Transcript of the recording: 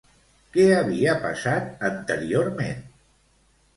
Què havia passat, anteriorment?